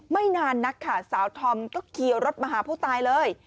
ไม่นานนักค่ะสาวธอมก็ขี่รถมาหาผู้ตายเลย